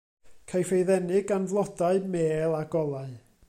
Caiff ei ddenu gan flodau, mêl a golau.